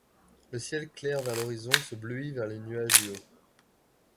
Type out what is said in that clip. Le ciel, clair vers l'horizon, se bleuit vers les nuages du haut.